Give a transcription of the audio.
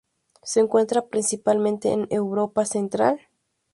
Se encuentran principalmente en Europa Central.